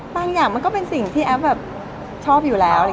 อย่างมันก็เป็นสิ่งที่แอฟแบบชอบอยู่แล้ว